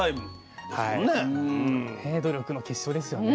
努力の結晶ですよね。